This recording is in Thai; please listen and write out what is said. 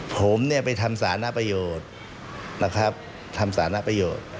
ผมเนี่ยไปทำสานประโยชน์นะครับทำสาระประโยชน์